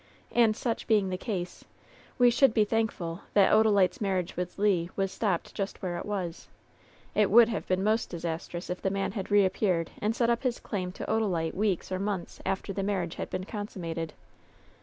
"And such being the case, we should be thankful that Odalite's marriage with Le was stopped just where it was. It would have been most disastrous if the man had reappeared and set up his claim to Odalite weeks or months after the marriage had been consummated."